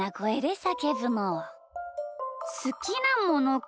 すきなものか。